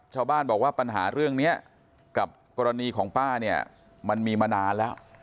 ชาวบ้านบอกว่าปัญหาเรื่องนี้กับกรณีของป้าเนี่ยมันมีมานานแล้ว